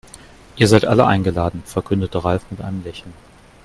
Ihr seid alle eingeladen, verkündete Ralf mit einem Lächeln.